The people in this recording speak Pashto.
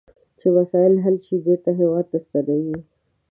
چې مسایل حل شي بیرته هیواد ته ستنیږي.